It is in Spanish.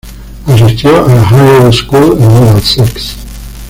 Asistió a la Harrow School en Middlesex.